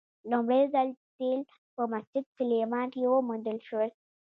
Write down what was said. لومړی ځل تیل په مسجد سلیمان کې وموندل شول.